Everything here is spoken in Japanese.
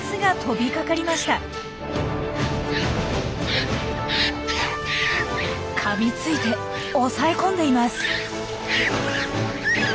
かみついて押さえ込んでいます。